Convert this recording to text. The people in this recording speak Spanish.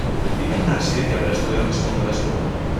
Vive en una residencia para estudiantes junto a la escuela.